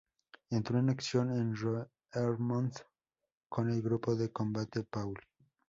Entró en acción en Roermond con el Grupo de Combate Paul.